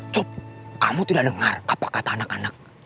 cup kamu tidak dengar apa kata anak anak